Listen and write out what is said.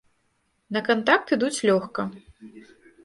На кантакт ідуць лёгка.